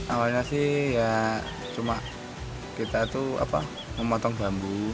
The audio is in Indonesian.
awalnya sih ya cuma kita tuh apa memotong bambu